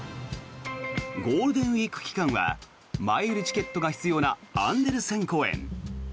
ゴールデンウィーク期間は前売りチケットが必要なアンデルセン公園。